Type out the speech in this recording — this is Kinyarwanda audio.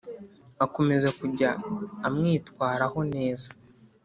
akomeza kujya amwitwaraho neza